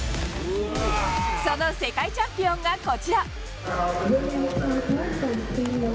その世界チャンピオンがこちら。